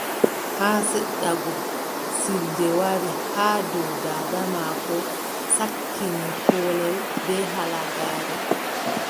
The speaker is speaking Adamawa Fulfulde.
Haa seɗata go, siilde wari haa dow daada maako, sakkini koolel bee halagaare.